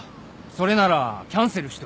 それならキャンセルしておいた。